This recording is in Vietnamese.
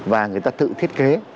và người ta tự thiết kế